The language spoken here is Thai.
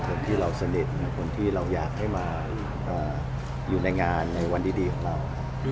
คนที่เราสนิทคนที่เราอยากให้มาอยู่ในงานในวันดีของเรา